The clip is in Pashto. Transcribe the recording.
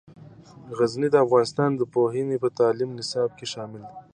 غزني د افغانستان د پوهنې په تعلیمي نصاب کې شامل دی.